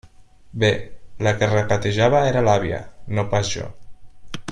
Bé, la que regatejava era l'àvia, no pas jo.